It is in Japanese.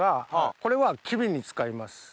これはキビに使います。